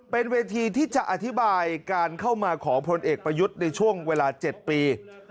เป็นเวทีที่จะอธิบายการเข้ามาของพลเอกประยุทธ์ในช่วงเวลา๗ปี